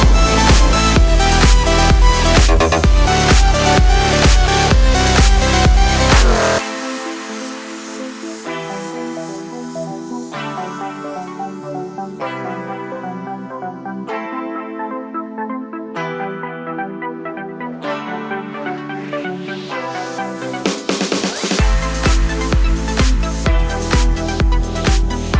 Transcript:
เพลง